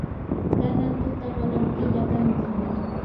kanan tuta manam killa kantsu.